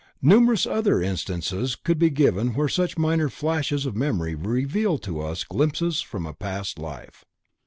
Numerous other instances could be given where such minor flashes of memory reveal to us glimpses from a past life.